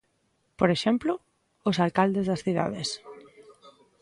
Por exemplo, os alcaldes das cidades.